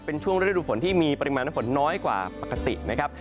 เป็นช่วงฤดูฝนที่มีปริมาณน้ำฝนน้อยกว่าปกตินะครับ